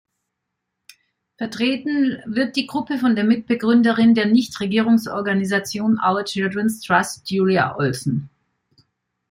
Vertreten wird die Gruppe von der Mitbegründerin der Nichtregierungsorganisation "Our Children's Trust" Julia Olson.